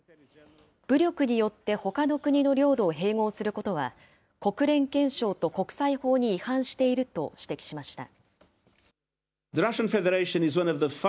武力によってほかの国の領土を併合することは、国連憲章と国際法に違反していると指摘しました。